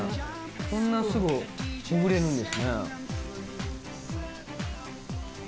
こんなすぐほぐれるんですね。